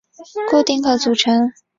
固定客组成。